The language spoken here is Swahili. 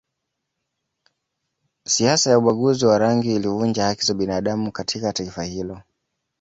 Siasa ya ubaguzi wa rangi ilivunja haki za binadamu katika taifa hilo